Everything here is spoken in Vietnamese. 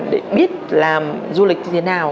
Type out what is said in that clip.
để biết làm du lịch như thế nào